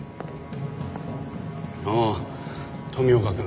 ああ富岡君。